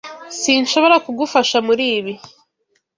Sinshobora kugufasha muribi.